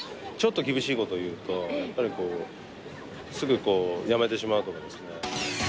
ちょっと厳しいことを言うと、やっぱり、こう、すぐこう、辞めてしまうとかですね。